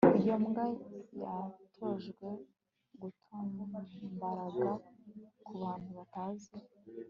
Iyo mbwa yatojwe gutonMbaragaa kubantu batazi